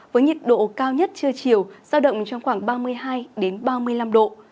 với nhiệt độ cao nhất trưa chiều giao động trong khoảng ba mươi hai ba mươi năm độ